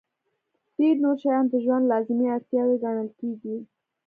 ډېر نور شیان د ژوند لازمي اړتیاوې ګڼل کېږي.